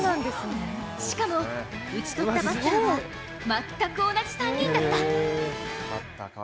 しかも、打ち取ったバッターは全く同じ３人だった。